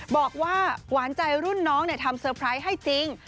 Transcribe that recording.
บอกว่าหวานใจรุ่นน้องทำเตอร์ไพรส์ให้จริง